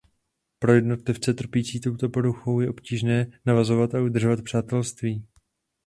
Pro jedince trpící touto poruchou je obtížné navazovat a udržovat přátelství.